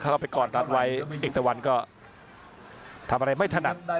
เข้าไปก่อนรัดไว้เอกตะวันก็ทำอะไรไม่ถนัด